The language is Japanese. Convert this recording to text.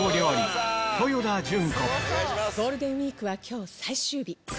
ゴールデンウイークは今日最終日。